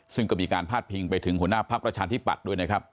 ซึ่งก็มีการพาดพิงไปถึงหัวหน้าภักดิ์ประชาธิปัตย์ด้วยนะครับ